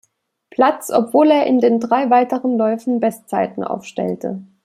Platz, obwohl er in den drei weiteren Läufen Bestzeiten aufstellte.